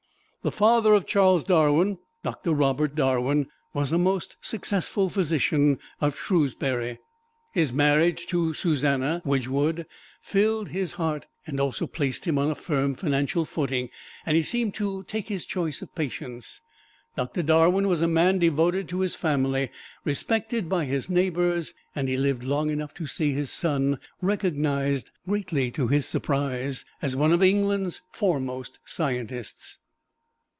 The father of Charles Darwin, Doctor Robert Darwin, was a most successful physician of Shrewsbury. His marriage to Susannah Wedgwood filled his heart, and also placed him on a firm financial footing, and he seemed to take his choice of patients. Doctor Darwin was a man devoted to his family, respected by his neighbors, and he lived long enough to see his son recognized, greatly to his surprise, as one of England's foremost scientists.